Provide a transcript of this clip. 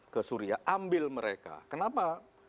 ke suria ambil mereka kenapa